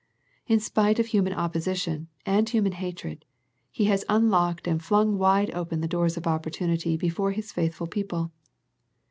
In spite of human opposition, and human hatred, He has unlocked and flung wide open the doors of opportunity before His faithful people.